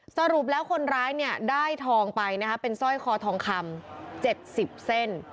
สรุปแล้วคนร้ายเนี่ยได้ทองไปนะคะเป็นสร้อยคอทองคำ๗๐เส้น